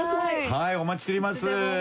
「はいお待ちしております」